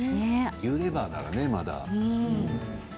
牛レバーならまだね。